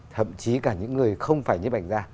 thậm chí cả những người không phải nhiếp ảnh ra